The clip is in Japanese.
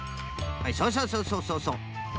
はいそうそうそうそうそうそう。